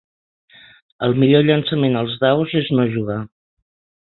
El millor llançament als daus és no jugar.